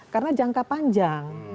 karena jangka panjang